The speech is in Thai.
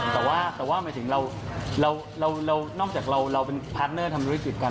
แต่ว่าหมายถึงเรานอกจากเราเป็นพาร์ทเนอร์ทำธุรกิจกัน